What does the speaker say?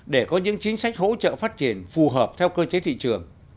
để có những chính sách hỗ trợ phát triển phù hợp theo cơ chế thị trường